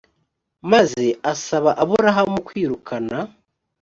maze asaba aburahamu kwirukana